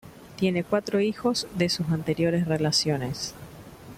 Tiene cuatro hijos de sus anteriores relaciones.